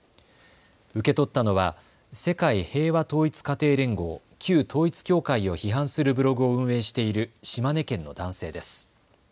受け取ったのは世界平和統一家庭連合、旧統一教会を批判するブログを運営している島根県の男性です。